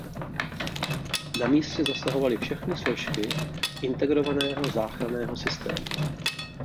Na místě zasahovaly všechny složky integrovaného záchranného systému.